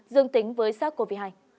dương tính với sars cov hai